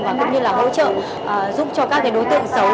và cũng như là hỗ trợ giúp cho các đối tượng xấu